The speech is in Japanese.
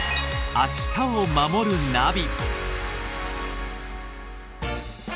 「明日をまもるナビ」。